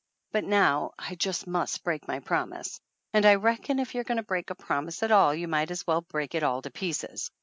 But now I just must break my promise, and I reckon if you are going to break a promise at all you might as well break it all to pieces.